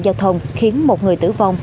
giao thông khiến một người tử vong